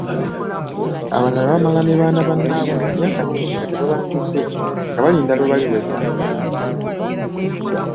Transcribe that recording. Abalala bamala ne baana bannaabwe emyaka mingi nga tebabanjudde nga balinda lwe baliweza ebintu.